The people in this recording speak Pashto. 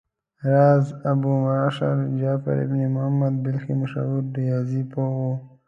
راز ابومعشر جعفر بن محمد بلخي مشهور ریاضي پوه و.